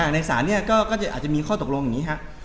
ในศาลเนี่ยก็อาจจะมีข้อตกลงอย่างนี้ครับ